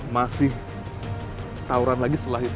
masih tawuran lagi setelah itu